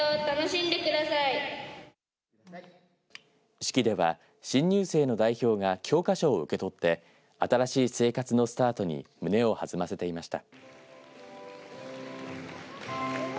式では新入生の代表が教科書を受け取って新しい生活のスタートに胸を弾ませていました。